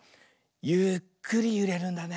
ゆっくりゆれるんだね。